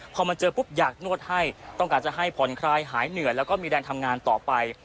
พอมาเจอปุ๊บอยากนวดให้ต้องการจะให้ผ่อนคลายหายเหนื่อยแล้วก็มีแรงทำงานต่อไป